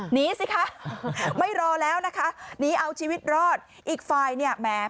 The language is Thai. หนีสิคะไม่รอแล้วนะคะหนีเอาชีวิตรอดอีกฝ่ายเนี่ยแหม